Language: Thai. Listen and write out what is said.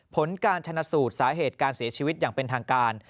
ผลการชนะสูตรสาเหตุการเสียชีวิตอย่างเป็นทางการ